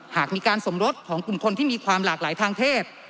หากมีการสมรสของกลุ่มคนที่มีความหลากหลายทางเพศ